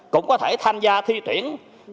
cũng có thể tham gia thi tuyển